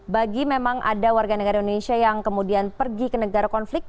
bagi memang ada warga negara indonesia yang kemudian pergi ke negara konflik